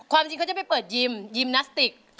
จริงเขาจะไปเปิดยิมยิมนาสติก